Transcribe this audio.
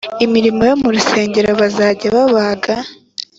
imirimo yo mu rusengero bazajya babaga